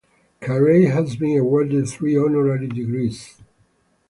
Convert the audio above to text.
Carey has been awarded three honorary degrees.